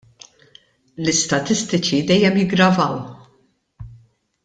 L-istatistiċi dejjem jiggravaw.